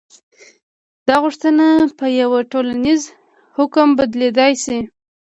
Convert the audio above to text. دا غوښتنه په یوه ټولیز حکم بدلېدلی شي.